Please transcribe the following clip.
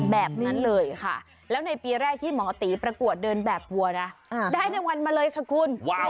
แบบนั้นเลยค่ะแล้วในปีแรกที่หมอตีประกวดเดินแบบวัวนะได้รางวัลมาเลยค่ะคุณ